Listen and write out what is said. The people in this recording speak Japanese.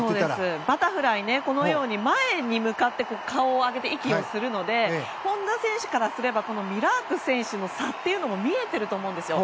バタフライって前に向かって顔を上げて息をするので本多選手からしたらミラーク選手との差も見えてると思うんですよ。